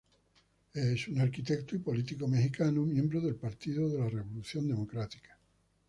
Es un arquitecto y político mexicano, miembro del Partido de la Revolución Democrática.